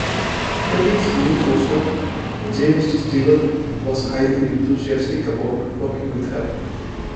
Kelly's new costar, James Stewart, was highly enthusiastic about working with her.